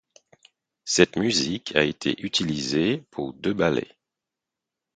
Cette musique a été utilisée pour deux ballets.